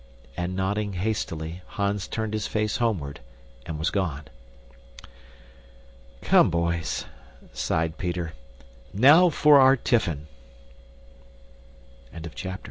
And, nodding hastily, Hans turned his face homeward and was gone. "Come, boys," sighed Peter, "now for our tiffin!" Homes It must not be